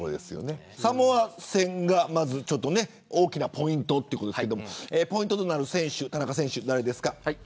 サモア戦が大きなポイントということですがポイントとなる選手、誰ですか。